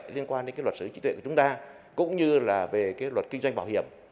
liên quan đến luật sở hữu trí tuệ của chúng ta cũng như là về luật kinh doanh bảo hiểm